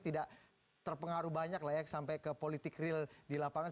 tidak terpengaruh banyak lah ya sampai ke politik real di lapangan